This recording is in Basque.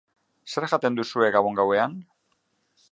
Zer jaten duzue gabon gauean?